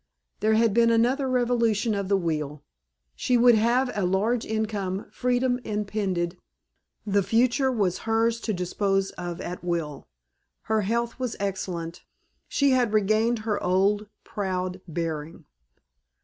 There had been another revolution of the wheel: she would have a large income, freedom impended, the future was hers to dispose of at will. Her health was excellent; she had regained her old proud bearing.